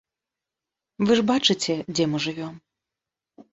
Вы ж бачыце, дзе мы жывём.